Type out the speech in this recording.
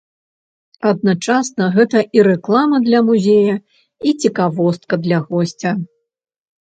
Адначасна гэта і рэклама для музея, і цікавостка для госця.